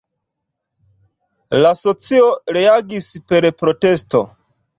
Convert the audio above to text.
La socio reagis per protesto.